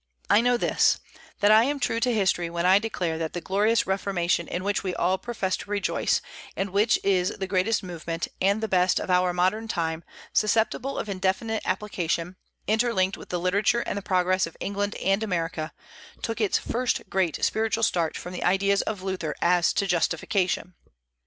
I know this, that I am true to history when I declare that the glorious Reformation in which we all profess to rejoice, and which is the greatest movement, and the best, of our modern time, susceptible of indefinite application, interlinked with the literature and the progress of England and America, took its first great spiritual start from the ideas of Luther as to justification.